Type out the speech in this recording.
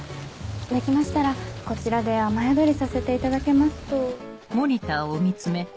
できましたらこちらで雨宿りさせていただけますと。